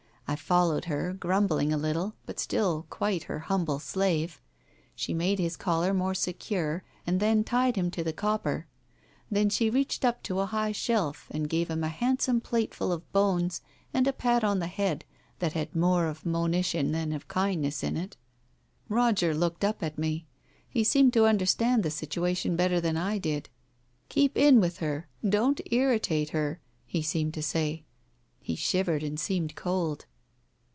I followed her grumbling a little, but still quite her humble slave. She made his collar more secure and then tied him to the copper. Then she reached up to a high shelf, and gave him a handsome plateful of bones and a pat on the head that had more of monition than of kindness in it. Roger looked up at me. He seemed to understand the situation better than I did. "Keep in with her, don't irritate her !" he seemed to say. He shivered and seemed cold.